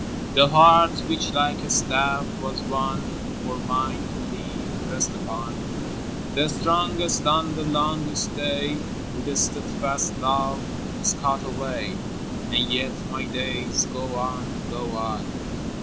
hi. The heart which, like a staff, was one For mine to lean and rest upon, The strongest on the longest day — With steadfast love, is caught away, — And yet my days go on, go on.